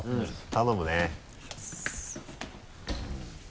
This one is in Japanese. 頼むね。